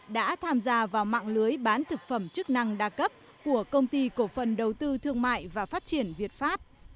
đã tham gia vào mạng lưới bán thực phẩm chức năng đa cấp của công ty cổ phần đầu tư thương mại và phát triển việt pháp